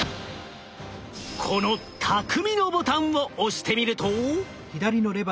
この匠のボタンを押してみると。